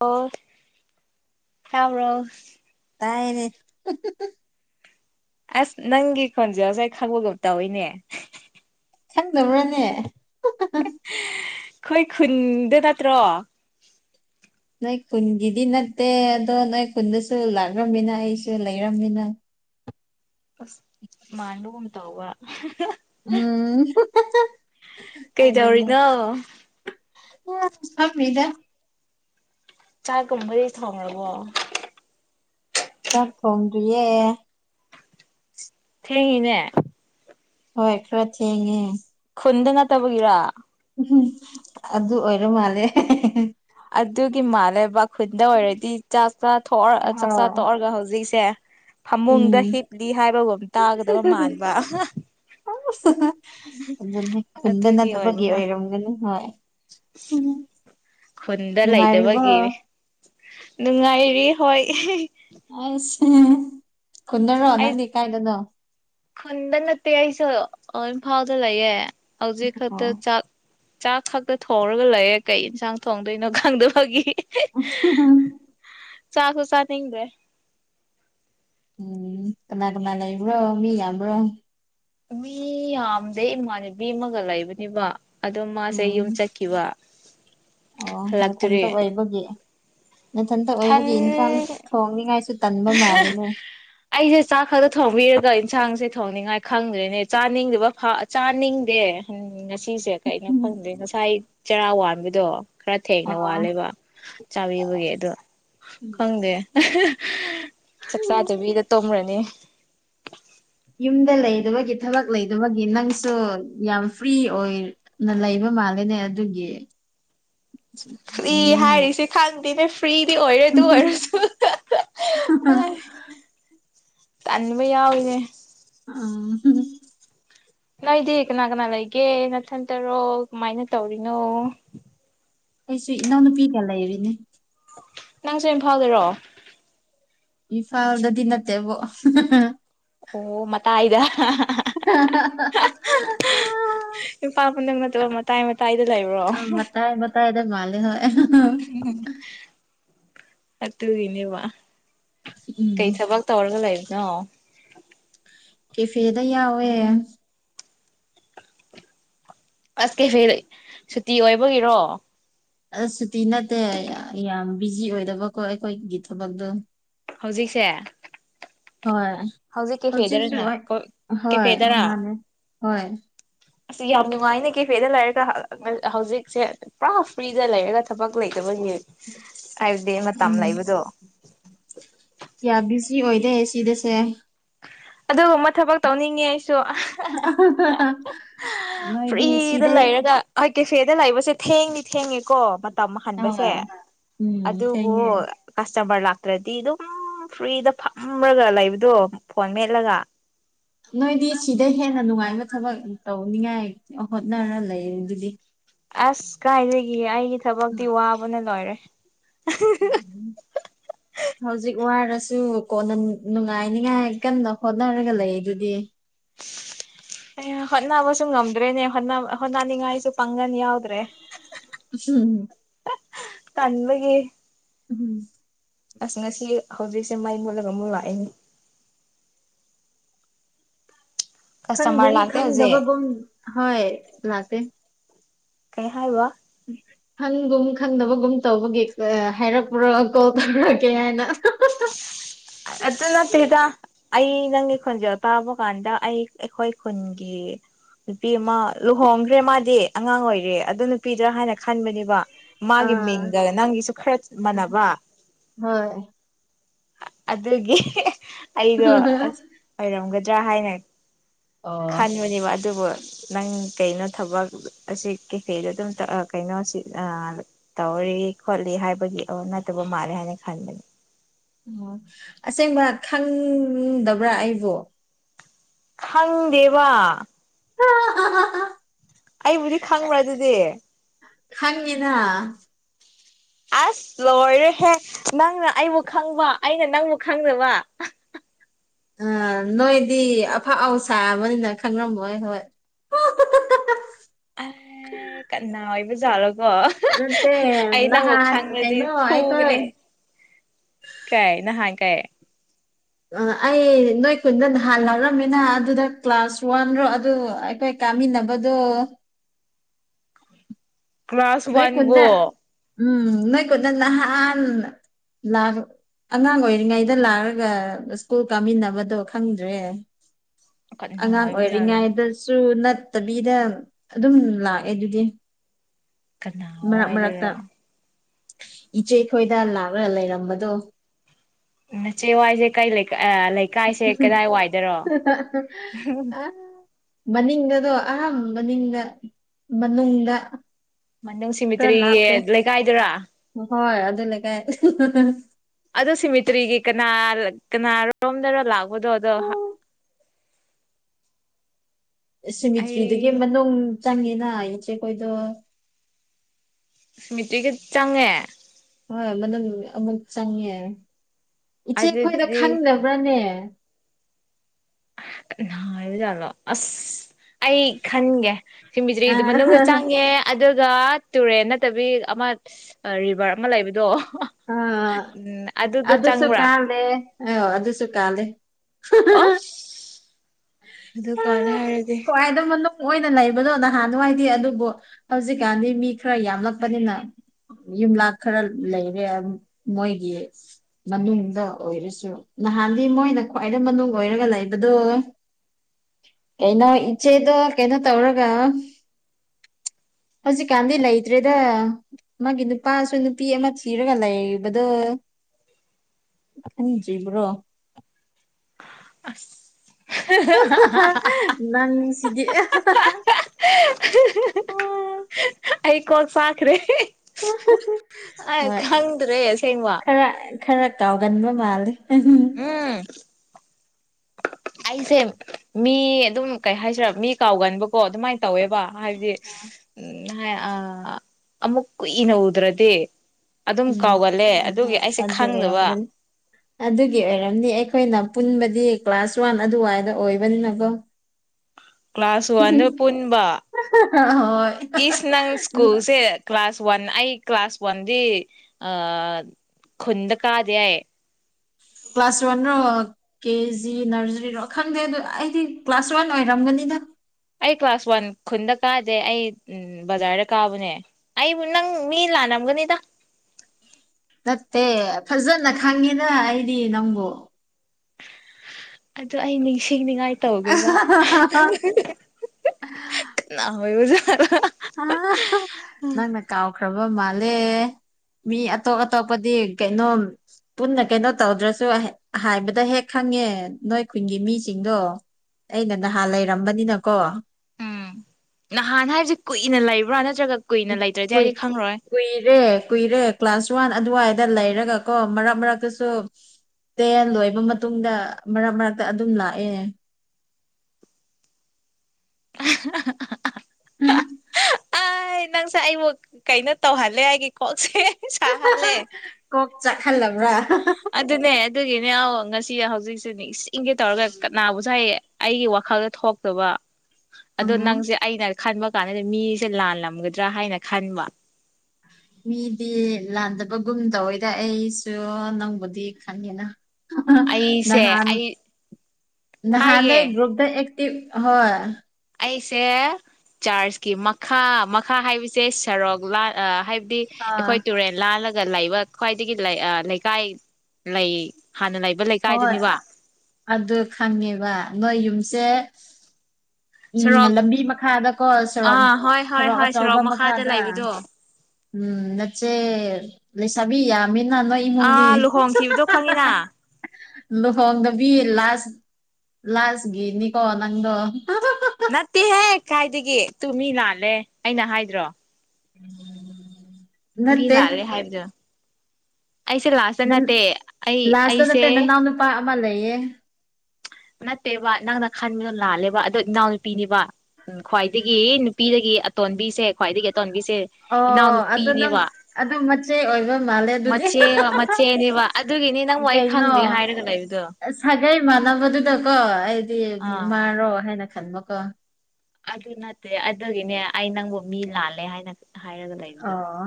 ꯑꯣ ꯇꯥꯕ꯭ꯔꯣ ꯇꯥꯏꯅꯦ ꯑꯁ ꯅꯪꯒꯤ ꯈꯣꯟꯖꯦꯜꯁꯦ ꯈꯪꯕꯒꯨꯝ ꯇꯧꯋꯦꯅꯦ ꯈꯪꯗꯕ꯭ꯔꯥꯅꯦ ꯈꯣꯏ ꯈꯨꯟꯗ ꯅꯠꯇ꯭ꯔꯣ ꯅꯣꯏ ꯈꯨꯟꯒꯤꯗꯤ ꯅꯠꯇꯦ ꯑꯗꯣ ꯅꯣꯏ ꯈꯨꯟꯗꯁꯨ ꯂꯥꯛꯂꯝꯝꯃꯤꯅ ꯑꯩꯁꯨ ꯂꯩꯔꯝꯃꯤꯅ ꯑꯁ ꯃꯥꯥꯟꯕꯒꯨꯝ ꯇꯧꯕ ꯎꯝ ꯑꯗꯨꯅꯦ ꯀꯩꯗꯧꯔꯤꯅꯣ ꯐꯃꯤꯗ ꯆꯥꯛꯀꯨꯝꯕꯗꯤ ꯊꯣꯡꯔꯕꯣ ꯆꯥꯛ ꯊꯣꯡꯗ꯭ꯔꯤꯌꯦ ꯊꯦꯡꯉꯤꯅꯦ ꯍꯣꯏ ꯈꯔꯥ ꯊꯦꯡꯉꯦ ꯈꯨꯟꯗ ꯅꯠꯇꯕꯒꯤꯔꯥ ꯑꯗꯨ ꯑꯣꯏꯔꯥ ꯃꯥꯜꯂꯦ ꯑꯗꯨꯒꯤ ꯃꯥꯜꯂꯦꯕ ꯈꯨꯟꯗ ꯑꯣꯏꯔꯗꯤ ꯆꯥꯛ ꯆꯥ ꯊꯣꯛ ꯑ ꯆꯥꯛ ꯆꯥ ꯍꯣꯏ ꯇꯣꯛꯔꯒ ꯍꯧꯖꯤꯛꯁꯦ ꯎꯝ ꯐꯃꯨꯡꯗ ꯍꯤꯞꯂꯤ ꯍꯥꯏꯕꯒꯨꯝ ꯇꯥꯒꯗꯕ ꯃꯥꯟꯕ ꯑꯁ ꯑꯗꯨꯅꯤ ꯈꯨꯟꯗ ꯑꯗꯨꯒꯤ ꯑꯣꯏꯕ ꯅꯠꯇꯕꯒꯤ ꯃꯥꯜ ꯑꯣꯏꯔꯝꯒꯅꯤ ꯍꯣꯏ ꯎꯝ ꯈꯨꯟꯗ ꯅꯨꯡꯉꯥꯏꯔꯤꯕꯣ ꯂꯩꯇꯕꯒꯤ ꯅꯨꯡꯉꯥꯏꯔꯤ ꯍꯣꯏ ꯑꯁ ꯈꯨꯟꯗꯔꯣ ꯑꯩ ꯅꯪꯗꯤ ꯀꯥꯏꯗꯅꯣ ꯈꯨꯟꯗ ꯅꯠꯇꯦ ꯑꯩꯁꯨ ꯏꯝꯐꯥꯜꯗ ꯂꯩꯌꯦ ꯍꯧꯖꯤꯛ ꯈꯛꯇ ꯑꯣ ꯆꯥꯛ ꯆꯥꯛ ꯈꯛꯇ ꯊꯣꯡꯔꯒ ꯂꯩꯌꯦ ꯀꯩ ꯏꯟꯁꯥꯡ ꯊꯣꯡꯗꯣꯏꯅꯣ ꯈꯪꯗꯕꯒꯤ [unintelligible] ꯆꯥꯛꯁꯨ ꯆꯥꯅꯤꯡꯗ꯭ꯔꯦ ꯎꯝ ꯀꯅꯥ ꯀꯅꯥ ꯂꯩꯕ꯭ꯔꯣ ꯃꯤ ꯌꯥꯝꯕ꯭ꯔꯣ ꯃꯤ ꯌꯥꯝꯗꯦ ꯏꯃꯥꯟꯅꯕꯤ ꯑꯃꯒ ꯂꯩꯕꯅꯦꯕ ꯑꯗꯣ ꯃꯥꯁꯦ ꯌꯨꯝ ꯎꯝ ꯆꯠꯈꯤꯕ ꯑꯣ ꯍꯜꯂꯛꯇ꯭ꯔꯤ ꯅꯊꯟꯇ ꯑꯣꯏꯕꯒꯤ ꯅꯊꯟꯇ ꯏꯊꯟ ꯑꯣꯏꯕꯒꯤ ꯏꯟꯁꯥꯡ ꯊꯣꯡꯅꯤꯉꯥꯏꯁꯨ [unintelligible] ꯑꯩꯁꯦ ꯆꯥꯛ ꯈꯛꯇ ꯊꯣꯡꯕꯤꯔꯒ ꯏꯟꯁꯥꯡꯁꯦ ꯊꯣꯡꯅꯤꯡꯉꯥꯏ ꯈꯪꯗꯦꯅꯦ ꯆꯥꯅꯤꯡꯗꯕ ꯐꯥꯎ ꯆꯥꯅꯤꯡꯗꯦ ꯎꯝ ꯉꯁꯤꯁꯦ ꯀꯩꯅꯣ ꯈꯪꯗꯦ ꯉꯁꯥꯏ ꯆꯔꯥ ꯋꯥꯟꯕꯗꯣ ꯈꯔ ꯊꯦꯡꯅ ꯑꯣ ꯋꯥꯜꯂꯦꯕ ꯆꯥꯕꯤꯕꯒꯤ ꯑꯗꯣ ꯈꯪꯗꯦ ꯆꯥꯛ ꯆꯥꯗꯕꯤꯗ ꯇꯨꯝꯔꯅꯤ ꯌꯨꯝꯗ ꯂꯩꯗꯕꯒꯤ ꯊꯕꯛ ꯂꯩꯗꯕꯒꯤ ꯅꯪꯁꯨ ꯌꯥꯝ ꯐ꯭ꯔꯤ ꯑꯣꯏ ꯅ ꯂꯩꯕ ꯃꯥꯜꯂꯦꯅꯦ ꯑꯗꯨꯒꯤ ꯐ꯭ꯔꯤ ꯎꯝ ꯍꯥꯏꯔꯤꯁꯦ ꯈꯪꯗꯦꯗ ꯐ꯭ꯔꯤꯗꯤ ꯑꯣꯏꯔꯦ ꯑꯗꯨ ꯑꯣꯏꯔꯁꯨ ꯇꯟꯕ ꯌꯥꯎꯋꯤꯅꯦ ꯑꯥ ꯅꯣꯏꯗꯤ ꯀꯅꯥ ꯀꯅꯥ ꯂꯩꯒꯦ ꯅꯊꯟꯇꯥꯔꯣ ꯀꯃꯥꯏꯅ ꯇꯧꯔꯤꯅꯣ ꯑꯩꯁꯨ ꯏꯅꯥꯎꯅꯨꯄꯤꯒ ꯂꯩꯔꯤꯅꯦ ꯅꯪꯁꯨ ꯏꯝꯐꯥꯜꯗꯔꯣ ꯏꯝꯐꯥꯜꯗꯥꯗꯤ ꯅꯠꯇꯦꯕꯣ ꯑꯣ ꯃꯇꯥꯏꯗꯥ [unintelligible] [unintelligible] ꯃꯇꯥꯏ ꯃꯇꯥꯏꯗꯥ ꯂꯩꯕ꯭ꯔꯣ ꯑꯥ ꯃꯥꯇꯥꯏ ꯃꯇꯥꯏꯗ ꯃꯥꯜꯂꯦ ꯍꯣꯏ ꯎꯝ ꯑꯗꯨꯒꯤꯅꯦꯕꯥ ꯀꯩ ꯎꯝ ꯊꯕꯛ ꯇꯧꯔꯒꯥ ꯂꯩꯕꯔꫭ ꯀꯦꯐꯦꯗꯥ ꯌꯥꯎꯋꯦ ꯑꯁ ꯀꯦꯐꯦ ꯁꯨꯇꯤ ꯑꯣꯏꯕꯒꯤꯔꯣ ꯑꯁ ꯁꯨꯇꯤ ꯅꯠꯇꯦ ꯌꯥꯝ ꯕꯤꯖꯤ ꯑꯣꯏꯗꯥꯕꯀꯣ ꯑꯩꯈꯣꯏꯒꯤ ꯊꯥꯕꯛꯇꯣ ꯍꯧꯖꯤꯛꯁꯦ ꯍꯣꯏ ꯍꯧꯖꯤꯛ ꯍꯧꯖꯤꯛꯁꯨ ꯀꯦꯐꯦꯗꯔꯅ ꯍꯣꯏ ꯍꫭꯏ ꯀꯦꯐꯦꯗꯔꯥ ꯃꯥꯅꯦ ꯍꯣꯏ ꯑꯁ ꯌꯥꯝ ꯅꯨꯡꯉꯥꯏꯅꯦ ꯀꯦꯐꯦꯗꯥ ꯂꯩꯔꯥꯒ [inaudible] ꯍꯧꯖꯤꯛꯁꯦ ꯄꯨꯔꯥ ꯐ꯭ꯔꯤꯗꯥ ꯂꯩꯔꯥꯒ ꯊꯕꯛ ꯂꯩꯇꯥꯕꯒꯤ ꯍꯥꯏꯕꯗꯤ ꯃꯇꯝ ꯎꯝ ꯂꯩꯕꯗꯣ ꯀꯌꯥ ꯕꯤꯖꯤ ꯑꯣꯏꯗꯦ ꯁꯤꯗꯥꯁꯦ ꯑꯗꯨꯒꯨꯝꯕ ꯊꯕꯛ ꯇꯧꯅꯤꯡꯉꯦ ꯑꯩꯁꯨ ꯅꯣꯏꯗꯤ ꯁꯤꯗꯩ ꯍꫭꯏ ꯀꯦꯐꯦꯗ ꯂꯩꯕꯁꯦ ꯊꯦꯡꯗꯤ ꯊꯦꯡꯉꯦꯀꯣ ꯃꯇ ꯇꯝꯍꯟꯕꯁꯦ ꯍꯣꯏ ꯎꯝ ꯑꯗꯨꯕꯨ ꯊꯦꯡꯉꯦ ꯀꯁꯇꯃꯔ ꯂꯥꯛꯇ꯭ꯔꯗꯤ ꯑꯗꯨꯝ ꯐ꯭ꯔꯤꯗ ꯐꯝꯔꯒ ꯂꯩꯕꯗꯣ ꯐꯣꯟ ꯃꯦꯠꯂꯒ ꯅꯣꯏꯗꯤ ꯁꯤꯗ ꯍꯦꯟꯅ ꯅꯨꯡꯉꯥꯏꯕ ꯊꯕꯛ ꯇꯧꯅꯤꯉꯥꯏ ꯍꯣꯠꯅꯔ ꯂꯩꯔ ꯗꯨꯗꯤ ꯑꯁ ꯀꯥꯏꯗꯒꯤ ꯑꯩꯒꯤ ꯊꯕꯛꯇꯤ ꯋꯥꯕꯅ ꯂꯣꯏꯔꯦ [inaudible] ꯍꯧꯖꯤꯛ ꯋꯥꯔꯁꯨ ꯀꯣꯟꯅ ꯅꯨꯡꯉꯥꯏꯅꯤꯉꯥꯏ ꯀꯟꯅ ꯍꯣꯠꯅꯔꯒ ꯂꯩꯔꯤ ꯗꯨꯗꯤ ꯍꯣꯠꯅꯕꯁꯨ ꯉꯝꯗ꯭ꯔꯦꯅꯦ ꯍꫭꯠꯅꯕ ꯍꯣꯠꯅꯅꯤꯡꯉꯥꯏꯁꯨ ꯄꯥꯡꯒꯟ ꯌꯥꯎꯗ꯭ꯔꯦ [inaudible] ꯇꯟꯕꯒꯤ [inaudible] ꯑꯁ ꯉꯁꯤ ꯍꯧꯖꯤꯛꯁꯦ ꯃꯩ ꯃꯨꯠꯂꯒ ꯑꯃꯨꯛ ꯂꯥꯛꯑꯦꯅꯦ ꯀꯁꯇꯃꯔ ꯈꯟꯒꯨꯝ ꯂꯥꯛꯇꯦ ꯈꯪ ꯍꯧꯖꯤꯛ ꯗꯕꯒꯨꯝ ꯍꯣꯏ ꯂꯛꯇꯦ ꯀꯩ ꯍꯥꯏꯕ [inaudible] ꯈꯪꯒꯨꯝ ꯈꯪꯗꯕꯒꯨꯝ ꯇꯧꯕꯒꯤ ꯑꯥ ꯍꯥꯏꯔꯛꯄ꯭ꯔꯣ ꯀꯣꯜ ꯇꯧꯔꯛꯀꯦ ꯍꯥꯏꯅ ꯑꯗꯨ ꯅꯠꯇꯦꯗ ꯑꯩ ꯅꯪꯒꯤ ꯈꯨꯟꯖꯦꯜ ꯇꯥꯕ ꯀꯥꯟꯗ ꯑꯩ ꯑꯩꯈꯣꯏ ꯈꯨꯟꯒꯤ ꯅꯨꯄꯤ ꯑꯃ ꯂꯨꯍꯣꯡꯈꯒꯔꯦ ꯃꯥꯗꯤ ꯑꯉꯥꯡ ꯑꯣꯏꯔꯤ ꯑꯗꯨ ꯅꯨꯄꯤꯗ꯭ꯔꯥ ꯍꯥꯏꯅ ꯈꯟꯕꯅꯦꯕ ꯃꯥꯒꯤ ꯑꯥ ꯃꯤꯡꯒ ꯅꯪꯒꯁꯨ ꯈꯔ ꯃꯥꯟꯅꯕ ꯍꯣꯏ ꯑꯗꯨꯒꯤ ꯑꯩꯗꯣ ꯑꯣꯏꯔꯝꯒꯗ꯭ꯔꯥ ꯍꯥꯏꯅ ꯑꯣ ꯑꯣ ꯈꯟꯕꯅꯦꯕ ꯑꯗꯨꯕꯨ ꯅꯪ ꯀꯩꯅꯣ ꯊꯕꯛ ꯑꯁꯤ ꯀꯩꯀꯩꯗ ꯑꯗꯨꯝ ꯇꯛꯑ ꯀꯩꯅꯣ ꯑꯁꯤ ꯑꯥ ꯇꯧꯔꯦ ꯈꯣꯠꯂꯦ ꯍꯥꯏꯕꯒꯤ ꯑꯣ ꯅꯠꯇꯕ ꯃꯥꯜꯂꯦ ꯍꯥꯏꯅ ꯈꯟꯕꯅꯤ ꯑꯣ ꯑꯁꯦꯡꯕ ꯈꯪꯗꯕ꯭ꯔꯥ ꯑꯩꯕꯨ ꯈꯪꯗꯦꯕ ꯍꯍꯥꯍꯥꯍꯥ ꯑꯩꯕꯨꯗꯤ ꯈꯪꯕ꯭ꯔꯥ ꯑꯗꯨꯗꯤ ꯈꯪꯉꯦꯅ ꯑꯁ ꯂꯣꯏꯔꯦꯍꯦ ꯅꯪꯅ ꯑꯩꯕꯨ ꯈꯪꯕ ꯑꯩꯅ ꯅꯪꯕꯨ ꯈꯪꯗꯕ ꯑꯥ ꯅꯣꯏꯗꯤ ꯑꯐꯥꯎꯁꯥꯕꯅꯤꯅ ꯈꯪꯔꯝꯃꯣꯏ ꯑꯩꯈꯣꯏ ꯑꯦ ꯀꯅꯥ ꯑꯣꯏꯕꯖꯥꯠꯂꯣ ꯀꯣ ꯅꯠꯇꯦ ꯑꯩ ꯅꯪꯕꯨ ꯅꯍꯥꯟ ꯈꯪꯂꯗꯤ ꯀꯩꯅꯣ ꯑꯩꯈꯣꯏ ꯐꯨꯒꯅꯤ ꯀꯥꯏ ꯅꯍꯥꯟ ꯀꯥꯏ ꯑꯩ ꯅꯣꯏ ꯈꯨꯨꯟꯗ ꯅꯍꯥꯟ ꯂꯥꯛꯔꯝꯃꯦꯅ ꯑꯗꯨꯗ ꯀ꯭ꯂꯥꯁ ꯋꯥꯟꯔꯣ ꯑꯗꯨ ꯀꯃꯤꯟꯅꯕꯗꯣ ꯀ꯭ꯂꯥꯁ ꯅꯣꯏ ꯈꯨꯟꯅ ꯋꯥꯟꯕꯨ ꯎꯝ ꯅꯣꯏ ꯈꯨꯟꯗ ꯅꯍꯥꯟ ꯂꯥꯛ ꯑꯉꯥꯡ ꯑꯣꯏꯔꯤꯉꯩꯗ ꯂꯥꯛꯔꯒ ꯏꯁꯀꯨꯜ ꯀꯥꯃꯤꯟꯅꯕꯗꯣ ꯈꯪꯗ꯭ꯔꯦ ꯀꯅꯥ ꯑꯉꯥꯡ ꯑꯣꯏꯕꯖꯥꯠꯂ ꯑꯣꯏꯔꯤꯉꯩꯗꯁꯨ ꯅꯠ ꯅꯠꯇꯕꯤꯗ ꯑꯗꯨꯝ ꯂꯥꯛꯑꯦ ꯗꯨꯗꯤ ꯀꯅꯥ ꯃꯔꯛ ꯃꯔꯛꯇ ꯋꯥꯏꯗꯔꯣ ꯏꯆꯦ ꯈꯣꯏꯗ ꯂꯥꯛꯂꯒ ꯂꯩꯔꯝꯕꯗꯣ ꯅꯆꯦꯋꯥꯏꯁꯦ ꯀꯩꯂꯩ ꯂꯩꯀꯥꯏꯁꯦ ꯀꯗꯥꯏ ꯋꯥꯏꯗꯔꯣ ꯑ ꯃꯅꯤꯡꯗꯗꯣ ꯑꯥ ꯃꯅꯤꯡꯗ ꯃꯅꯨꯡꯗ ꯃꯅꯤꯡ ꯈꯔ ꯁꯤꯃꯤꯇ꯭ꯔꯤꯒꯤ ꯂꯥꯞꯄꯦ ꯂꯩꯀꯥꯏꯗꯨꯔꯥ ꯍꯣꯏ ꯑꯗꯨ ꯂꯩꯀꯥꯏ ꯑꯗꯣ ꯁꯤꯃꯤꯇ꯭ꯔꯤꯒꯤ ꯀꯅꯥ ꯀꯅꯥꯔꯣꯝꯗꯔ ꯂꯥꯛꯄꯗꯣ ꯑꯗꯣ ꯁꯤꯃꯤꯇ꯭ꯔꯤꯗꯨꯒꯤ ꯑꯩ ꯃꯅꯨꯡ ꯆꯪꯉꯦꯅ ꯏꯆꯦꯈꯣꯏꯗꯣ ꯁꯤꯃꯤꯇ꯭ꯔꯤꯗ ꯆꯪꯉꯦ ꯍꯣꯏ ꯃꯅꯨꯡ ꯑꯃꯨꯛ ꯆꯪꯉꯦ ꯏꯆꯦꯈꯣꯏꯗ ꯑꯗꯨꯗꯤ ꯈꯪꯗꯕ꯭ꯔꯥꯅꯦ ꯀꯟꯍꯥꯏꯕꯖꯥꯠꯂꯣ ꯑꯁ ꯑꯩ ꯈꯟꯒꯦ ꯑ ꯁꯤꯟꯕꯤꯖ꯭ꯔꯤꯗꯨ ꯃꯅꯨꯡꯗ ꯆꯪꯉꯦ ꯑꯗꯨꯒ ꯇꯨꯔꯦꯟ ꯅꯠꯇꯕꯤ ꯑꯃ ꯔꯤꯕ꯭ꯔ ꯑꯃ ꯂꯩꯕꯗꯣ ꯑꯥ ꯎꯝ ꯑꯗꯨꯗꯨ ꯆꯪꯕ꯭ꯔ [unintelligible] ꯑ ꯑꯗꯨꯁꯨ ꯀꯥꯂꯦ ꯑꯁ [unintelligible] ꯑꯣꯏꯅ ꯂꯩꯕꯗꯣ ꯅꯍꯥꯟ ꯋꯥꯏꯗꯤ ꯑꯗꯨꯕꯨ ꯍꯧꯖꯤꯛꯀꯥꯟꯗꯤ ꯃꯤ ꯈꯔ ꯌꯥꯝꯂꯛꯄꯅꯤꯅ ꯌꯨꯝ ꯂꯥꯛ ꯈꯔ ꯂꯩꯔꯦ ꯃꯣꯏꯒꯤ ꯃꯅꯨꯡꯗ ꯑꯣꯏꯔꯁꯨ ꯅꯍꯥꯟꯗꯤ ꯃꯣꯏꯅ ꯈ꯭ꯋꯥꯏꯗ ꯃꯅꯨꯡ ꯑꯣꯏꯔꯒ ꯂꯩꯕꯗꯣ ꯀꯩꯅꯣ ꯏꯆꯦꯗꯣ ꯀꯩꯅꯣ ꯇꯧꯔꯒ ꯍꯧꯖꯤꯛ ꯀꯟꯗꯤ ꯂꯩꯇ꯭ꯔꯦꯗ ꯃꯥꯒꯤ ꯅꯨꯄꯥꯁꯨ ꯅꯨꯄꯤ ꯑꯃ ꯊꯤꯔꯒ ꯂꯩꯕꯗꯣ ꯈꯪꯖꯤꯕ꯭ꯔꯣ ꯑꯁ ꯅꯪ ꯁꯤꯗꯤ ꯑꯩ ꯀꯣꯛ ꯆꯥꯛꯈ꯭ꯔꯦ ꯑ ꯍꯣꯏ ꯈꯪꯗ꯭ꯔꯦꯁꯦꯡꯕ ꯈꯔ ꯈꯔ ꯀꯥꯎꯒꯟꯕ ꯃꯥꯜꯂꯦ ꯎꯝ ꯑꯩꯁꯦ ꯃꯤ ꯑꯗꯨꯝ ꯀꯩ ꯍꯥꯏꯁꯤꯔꯥ ꯃꯤ ꯀꯥꯎꯒꯟꯕꯀꯣ ꯑꯗꯨꯃꯥꯏꯟ ꯇꯧꯋꯦꯕ ꯍꯥꯏꯕꯗꯤ ꯎꯝ ꯑ ꯑꯃꯨꯛ ꯀꯨꯏꯅ ꯎꯗ꯭ꯔꯗꯤ ꯑꯗꯨꯝ ꯎꯝ ꯀꯥꯎꯒꯜꯂꯦ ꯑꯗꯨ ꯑꯗꯨꯒꯤ ꯑꯩꯁꯦ ꯑꯗꯨ ꯈꯪꯗꯕ ꯑꯣꯏꯔꯝꯒꯅꯤ ꯑꯗꯨꯒꯤ ꯑꯣꯏꯔꯝꯗꯤ ꯑꯩꯈꯣꯏꯅ ꯄꯨꯟꯕꯗꯤ ꯀ꯭ꯂꯥꯁ ꯋꯥꯟ ꯑꯗꯨꯋꯥꯏꯗ ꯑꯣꯏꯕꯅꯤꯅꯀꯣ ꯀ꯭ꯂꯥꯁ ꯋꯥꯟꯗ ꯄꯨꯟꯕ ꯍꯣꯏ ꯏꯁ ꯅꯪ ꯁ꯭ꯀꯨꯜꯁꯦ ꯀ꯭ꯂꯥꯁ ꯋꯥꯟ ꯑꯩ ꯀ꯭ꯂꯥꯁ ꯋꯥꯟꯗꯤ ꯑ ꯈꯨꯟꯗ ꯀꯥꯗꯦ ꯑꯩ ꯀ꯭ꯂꯥꯁ ꯋꯥꯟꯔꯣ ꯀꯦ ꯖꯤ ꯅꯔꯖꯔꯤꯔꯣ ꯈꯪꯗꯦ ꯑꯗꯨ ꯑꯩꯗꯤ ꯀ꯭ꯂꯥꯁ ꯋꯥꯟ ꯑꯣꯏꯔꯝꯒꯅꯤꯗ ꯑꯩ ꯀ꯭ꯂꯥꯁ ꯋꯥꯟ ꯈꯨꯟꯗ ꯀꯥꯗꯦ ꯑꯩ ꯎꯝ ꯕꯖꯥꯔꯗ ꯀꯥꯕꯅꯦ ꯑꯩꯕꯨ ꯅꯪ ꯃꯤ ꯂꯥꯟꯂꯝꯒꯅꯤꯗ ꯅꯠꯇꯦ ꯐꯖꯅ ꯈꯪꯉꯤꯗ ꯑꯩꯗꯤ ꯅꯪꯕꯨ ꯑꯗꯨ ꯑꯩ ꯅꯤꯡꯁꯤꯡꯅꯤꯉꯥꯏ ꯇꯧꯒꯦꯕ ꯀꯅꯥ ꯑꯣꯏꯕꯖꯔ ꯅꯪꯅ ꯀꯥꯎꯈ꯭ꯔꯕ ꯃꯥꯜꯂꯦ ꯃꯤ ꯑꯇꯣꯞ ꯑꯇꯣꯞꯄꯗꯤ ꯀꯩꯅꯣꯝ ꯄꯨꯟꯅ ꯀꯩꯅꯣ ꯇꯧꯗ꯭ꯔꯁꯨ ꯍꯥꯏꯕꯗ ꯍꯦꯛ ꯈꯪꯉꯦ ꯅꯣꯏ ꯈꯨꯟꯒꯤ ꯃꯤꯁꯤꯡꯗꯣ ꯑꯩꯅ ꯅꯍꯥꯟ ꯂꯩꯔꯝꯕꯅꯤꯅꯀꯣ ꯎꯝ ꯅꯍꯥꯟ ꯍꯥꯏꯁꯦ ꯀꯨꯏꯅ ꯂꯩꯕ꯭ꯔꯥ ꯅꯠꯇ꯭ꯔꯒ ꯀꯨꯏꯅ ꯂꯩꯇ꯭ꯔꯗꯤ ꯀꯨꯏ ꯑꯩꯗꯤ ꯈꯪꯔꯣꯏ ꯀꯨꯏꯔꯦ ꯀꯨꯏꯔꯦ ꯀ꯭ꯂꯥꯁ ꯋꯥꯟ ꯑꯗꯨꯋꯥꯏꯗ ꯂꯩꯔꯒ ꯀꯣ ꯃꯔꯛ ꯃꯔꯛꯇꯁꯨ ꯇꯦꯟ ꯂꯣꯏꯕ ꯃꯇꯨꯡꯗ ꯃꯔꯛ ꯃꯔꯛꯇ ꯑꯗꯨꯝ ꯂꯥꯛꯑꯦ [unintelligible] ꯎꯝ ꯑꯥꯏ ꯅꯪꯁꯦ ꯑꯩꯕꯨ ꯀꯩꯅꯣ ꯇꯧꯍꯜꯂꯦ ꯑꯩꯒꯤ ꯀꯣꯛꯁꯦ ꯁꯥꯍꯜꯂꯦ ꯀꯣꯛ ꯆꯥꯛꯍꯜꯂꯕ꯭ꯔꯥ ꯑꯗꯨꯅꯦ ꯑꯗꯨꯒꯤꯅꯦ ꯑꯥꯎ ꯉꯁꯤ ꯍꯧꯖꯤꯛꯁꯨꯅꯦ ꯏꯪꯒꯦ ꯇꯧꯔꯒ ꯀꯅꯥꯕꯨꯁꯨ ꯍꯌꯦ ꯑꯩꯒꯤ ꯋꯥꯈꯜꯗ ꯊꯣꯛꯇꯕ ꯑꯗꯣ ꯎꯝ ꯅꯪꯁꯦ ꯑꯩꯅ ꯈꯟꯕ ꯀꯥꯟꯗꯗꯤ ꯃꯤꯁꯦ ꯂꯥꯜꯂꯝꯒꯗ꯭ꯔꯥ ꯍꯥꯏꯅ ꯈꯟꯕ ꯃꯤꯗꯤ ꯂꯥꯟꯗꯕꯒꯨꯝ ꯇꯧꯋꯦꯗ ꯑꯩꯁꯨ ꯅꯪꯕꯨꯗꯤ ꯈꯪꯉꯦꯅ ꯑꯩꯁꯦ ꯅꯍꯥꯟ ꯑꯩ ꯅꯍꯥꯟꯗꯩ ꯍꯥꯏꯌꯦ ꯒ꯭ꯔꯨꯨꯞ ꯇ ꯑꯦꯛꯇꯤꯕ ꯍꯣꯏ ꯑꯩꯁꯦ ꯆꯥꯔꯁꯀꯤ ꯃꯈꯥ ꯃꯈꯥ ꯍꯥꯏꯕꯁꯦ ꯁꯔꯣꯛ ꯂꯥ ꯑ ꯍꯥꯏꯕꯗꯤ ꯑꯩꯈꯣꯏ ꯑꯥ ꯇꯨꯔꯦꯟ ꯂꯥꯜꯂꯒ ꯂꯩꯕ ꯈ꯭ꯋꯥꯏꯗꯒꯤ ꯂꯩ ꯑ ꯂꯩꯀꯥꯏ ꯂꯩ ꯍꯥꯟꯅ ꯂꯩꯕ ꯍꯣꯏ ꯂꯩꯀꯥꯏꯗꯨꯅꯤꯕ ꯑꯗꯨ ꯈꯪꯉꯦꯕ ꯅꯣꯏ ꯌꯨꯝꯁꯦ ꯎꯝ ꯁꯣꯔꯣꯛ ꯂꯝꯕꯤ ꯃꯈꯥꯗꯀꯣ ꯁꯣꯔꯣꯛ ꯑꯥ ꯍꯣꯏ ꯍꯣꯏ ꯁꯣꯔꯣꯛ ꯍꯣꯏ ꯑꯆꯧꯕ ꯃꯈꯥꯗ ꯂꯩꯕꯗꯣ ꯎꯝ ꯅꯠꯆꯦ ꯂꯩꯁꯥꯕꯤ ꯌꯥꯝꯃꯤꯅ ꯅꯣꯏ ꯏꯃꯨꯡꯗꯤ ꯑꯥ ꯂꯨꯍꯣꯡꯈꯤꯕꯗꯣ ꯈꯪꯉꯤꯅ ꯂꯨꯍꯣꯡꯗꯕꯤ ꯂꯥꯁ ꯂꯥꯁꯒꯤꯅꯤꯀꯣ ꯅꯪꯗꯣ ꯅꯠꯇꯦꯍꯦ ꯀꯥꯏꯗꯒꯤ ꯇꯨ ꯃꯤ ꯂꯥꯜꯂꯦ ꯑꯩꯅ ꯍꯥꯏꯗ꯭ꯔꯣ [inaudible] ꯃꯤ ꯂꯥꯜꯂꯦ ꯍꯥꯏꯕꯗꯣ ꯑꯩꯁꯦ ꯂꯥꯛꯇ ꯅꯪ ꯅꯠꯇꯦ ꯑꯩ ꯑꯩꯁꯦ ꯄꯥ ꯑꯃ ꯂꯩꯌꯦ ꯅꯠꯇꯦꯕ ꯅꯪꯅ ꯈꯟꯕꯗꯨ ꯂꯥꯜꯂꯦꯕ ꯑꯗꯣ ꯏꯅꯥꯎ ꯅꯨꯄꯤꯅꯦꯕ ꯎꯝ ꯈ꯭ꯋꯥꯏꯗꯒꯤ ꯅꯨꯄꯤꯗꯒꯤ ꯑꯇꯣꯟꯕꯤꯁꯦ ꯈ꯭ꯋꯥꯏꯗꯒꯤ ꯑꯇꯣꯟꯕꯤꯁꯦ ꯏꯅꯥꯎ ꯑꯣ ꯑꯗꯨ ꯅꯪ ꯅꯨꯄꯤꯅꯦꯕ ꯑꯗꯨ ꯃꯆꯦ ꯑꯣꯏꯕ ꯃꯥꯜꯂꯦ ꯑꯗꯨꯗꯤ ꯃꯆꯦ ꯃꯆꯦꯅꯦꯕ ꯑꯗꯨꯒꯤꯅꯤ ꯅꯪꯕꯨ ꯑꯩ ꯀꯩꯅꯣ ꯈꯪꯗꯦ ꯍꯥꯏꯔꯒ ꯂꯩꯕꯗꯣ ꯁꯥꯒꯩ ꯃꯥꯟꯅꯕꯗꯨꯗꯀꯣ ꯑꯩꯗꯤ ꯑꯥ ꯃꯥꯔꯣ ꯍꯥꯏꯅ ꯈꯟꯕꯀꯣ ꯑꯗꯨ ꯅꯠꯇꯦ ꯑꯗꯨꯒꯤꯅꯦ ꯑꯩ ꯅꯪꯕꯨ ꯃꯤ ꯂꯥꯜꯂꯦ ꯍꯥꯏꯅ ꯍꯥꯏꯔꯒ ꯂꯩ ꯑꯣ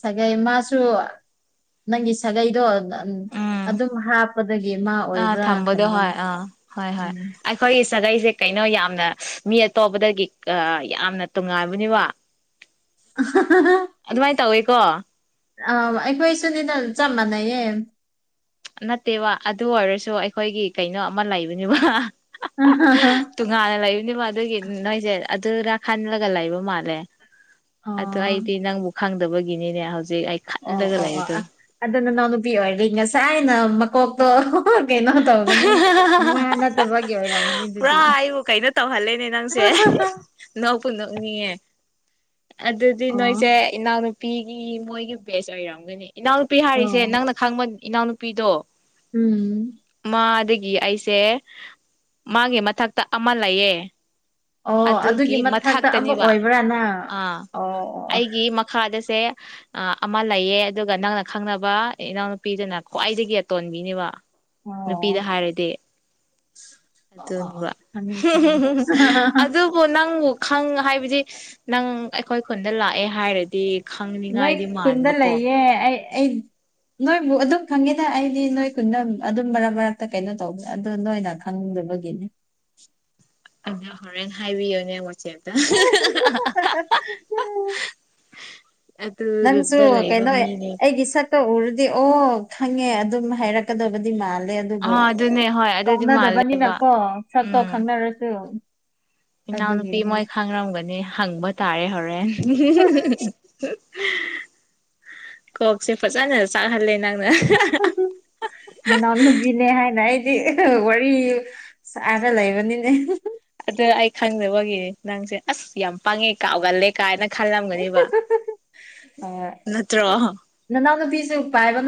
ꯁꯥꯒꯩ ꯃꯥꯁꯨ ꯅꯪꯒꯤ ꯁꯥꯒꯩꯗꯣ ꯎꯝ [unintelligible] ꯑꯗꯨꯝ ꯍꯥꯞꯄꯗꯒꯤ ꯃꯥ ꯑꯥ ꯑꯣꯏꯕ꯭ꯔꯥ ꯈꯟꯕꯅꯤ ꯎꯝ ꯑꯈꯣꯏꯒꯤ ꯁꯥꯒꯩꯁꯦ ꯀꯩꯅꯣ ꯌꯥꯝꯅ ꯃꯤ ꯑꯇꯣꯞꯄꯗꯒꯤ ꯌꯥꯝꯅ ꯑꯥ ꯇꯣꯉꯥꯟꯕꯅꯦꯕ [unintelligible] ꯑꯗꯨꯃꯥꯏꯟ ꯇꯧꯋꯦꯀꯣ ꯑꯧ ꯑꯩꯈꯣꯏꯁꯨꯅꯤꯗ ꯆꯞ ꯃꯥꯟꯅꯩꯌꯦ ꯅꯠꯇꯦꯕ ꯑꯗꯨ ꯑꯣꯏꯔꯁꯨ ꯑꯩꯈꯣꯏꯒꯤ ꯀꯩꯅꯣ ꯑꯃ ꯂꯩꯕꯅꯦꯕ [unintelligible] [unintelligible] ꯇꯣꯉꯥꯟꯅ ꯂꯩꯕꯅꯤꯕ ꯑꯗꯨꯒꯤ ꯅꯣꯏꯁꯦ ꯑꯗꯨꯔ ꯈꯜꯂꯒ ꯂꯩꯕ ꯃꯥꯜꯂꯦ ꯑꯗꯨ ꯑꯣ ꯑꯩꯗꯤ ꯅꯪꯕꯨ ꯈꯪꯗꯕꯒꯤꯅꯤꯅꯦ ꯍꯧꯖꯤꯛ ꯑꯩ ꯑꯣ ꯈꯜꯂꯒ ꯑꯣ ꯑꯣ ꯂꯩꯕꯗꯣ ꯑ ꯑꯗꯨ ꯅꯅꯥꯎ ꯅꯨꯄꯤ ꯑꯣꯏꯔꯗꯤ ꯉꯁꯥꯏꯅ ꯃꯀꯣꯛ ꯇꯣ ꯀꯩꯅꯣ ꯇꯧꯒꯅꯤ ꯃꯥ ꯅꯠꯇꯕꯒꯤ ꯑꯣꯏꯔꯝꯒꯅꯤ ꯄꯨꯔꯥ ꯑꯗꯨꯗꯤ ꯑꯩꯕꯨ ꯀꯩꯅꯣ ꯇꯧꯍꯜꯂꯦꯅꯦ ꯅꯪꯁꯦ [unintelligible] ꯅꯣꯛꯄꯨ ꯅꯣꯛꯅꯤꯡꯉꯦ ꯑꯗꯨꯗꯤ ꯑꯣ ꯅꯣꯏꯁꯦ ꯏꯅꯥꯎꯅꯨꯄꯤꯒꯤ ꯃꯣꯏꯒꯤ ꯕꯦꯁ ꯑꯣꯏꯔꯝꯒꯅꯤ ꯏꯅꯥꯎꯅꯨꯄꯤ ꯍꯥꯏꯔꯤꯁꯦ ꯑꯣ ꯅꯪꯅ ꯈꯪꯕ ꯏꯅꯥꯎꯅꯨꯄꯤꯗꯣ ꯎꯝ ꯃꯥꯗꯒꯤ ꯑꯩꯁꯦ ꯃꯥꯒꯤ ꯃꯊꯛꯇ ꯑꯃ ꯂꯩꯌꯦ ꯑꯣ ꯑꯗꯨꯒꯤ ꯃꯊꯛꯇ ꯑꯃꯨꯛ ꯃꯊꯥꯛꯇꯅꯦꯕ ꯑꯣꯏꯕ꯭ꯔꯥ ꯅꯪ ꯑ ꯑꯣ ꯑꯩꯒꯤ ꯃꯈ ꯈꯥꯗꯁꯦ ꯑꯥꯠꯑꯃ ꯂꯩꯌꯦ ꯑꯗꯨꯒ ꯅꯪꯅ ꯈꯪꯅꯕ ꯏꯅꯥꯎꯅꯨꯄꯤꯗꯨꯅ ꯈ꯭ꯋꯥꯏꯗꯒꯤ ꯑꯇꯣꯟꯕꯤꯅꯤꯕ ꯑꯣ ꯑꯣ ꯅꯨꯄꯤꯗ ꯍꯥꯏꯔꯗꯤ ꯑꯣ ꯑꯣ ꯑꯗꯨꯅꯦꯕ ꯈꯪꯉꯦ ꯈꯪꯉꯦ [unintelligible] ꯑꯗꯨ ꯗꯨꯕꯨ ꯅꯪ ꯈꯪ ꯍꯥꯏꯕꯗꯤ ꯅꯪ ꯑꯩꯈꯣꯏ ꯈꯨꯟꯗ ꯂꯥꯛꯑꯦ ꯍꯥꯏꯔꯗꯤ ꯅꯣꯏ ꯈꯪꯅꯤꯡꯉꯥꯏꯗꯤ ꯈꯨꯟꯗ ꯃꯥꯟꯕꯀꯣ ꯂꯩꯌꯦ ꯑꯩ ꯑꯩ ꯅꯣꯏꯕꯨ ꯑꯗꯨꯝ ꯈꯪꯉꯦꯗ ꯑꯩꯗꯤ ꯅꯣꯏ ꯈꯨꯟꯗ ꯑꯗꯨꯝ ꯃꯔꯛ ꯃꯔꯛꯇ ꯀꯩꯅꯣ ꯇꯧꯕ ꯑꯗꯣ ꯅꯣꯏꯅꯗ ꯈꯪꯗꯕꯒꯤꯅꯤ ꯑꯗꯣ ꯍꯣꯔꯦꯟ ꯍꯥꯏꯕꯤꯌꯣꯅꯦ ꯃꯆꯦꯝ [unintelligible] ꯅꯪꯁꯨ ꯑꯗꯨꯗ ꯂꯩꯕ ꯀꯩꯅꯣ ꯃꯤꯅꯦ ꯑꯩꯒꯤ ꯁꯛ ꯇ ꯎꯔꯗꯤ ꯑꯣ ꯈꯪꯉꯦ ꯑꯗꯨꯝ ꯍꯥꯏꯔꯛꯀꯗꯕꯗꯤ ꯃꯥꯜꯂꯦ ꯑꯗꯨꯕꯨ ꯑꯥ ꯑꯗꯨꯅꯦ ꯍꯣꯏ ꯑꯗꯨꯗꯤ ꯃꯥꯜꯂꯦꯕ ꯀꯧꯅꯗꯕꯅꯤꯅꯀꯣ ꯁꯛꯇꯣ ꯎꯝ ꯈꯪꯅꯔꯁꯨ ꯏꯅꯥꯎꯅꯨꯄꯤ ꯑꯗꯨꯒꯤꯅꯤꯅꯦ ꯃꯣꯏ ꯈꯪꯔꯝꯒꯅꯤ ꯍꯪꯕ ꯇꯥꯔꯦ ꯍꯣꯔꯦꯟ [unintelligible] [unintelligible] ꯀꯣꯛꯁꯦ ꯐꯖꯅ ꯆꯥꯛꯍꯜꯂꯦ ꯅꯪꯅ [unintelligible] ꯅꯅꯥꯎ ꯅꯨꯨꯕꯤꯅꯦ ꯍꯥꯏꯅ ꯑꯩꯗꯤ [unintelligible] ꯋꯥꯔꯤ ꯁꯔ ꯂꯩꯕꯅꯤꯅꯦ [unintelligible] ꯑꯗꯨ ꯑꯩ ꯈꯪꯗꯕꯒꯤ ꯅꯪꯁꯦ ꯑꯁ ꯌꯥꯝ ꯄꯥꯡꯉꯦ ꯀꯥꯎꯒꯜꯂꯦ ꯀꯥꯏꯅ ꯈꯜꯂꯝꯒꯅꯦꯕ ꯍꯣꯏ ꯅꯠꯇ꯭ꯔꯣ ꯅꯅꯥꯎ ꯅꯨꯄꯤꯁꯨ ꯄꯥꯏꯕ ꯅꯠ